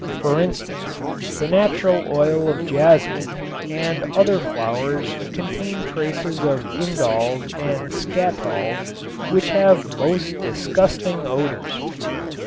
For instance, the natural oil of jasmine and other flowers contain traces of indols and skatols which have most disgusting odors.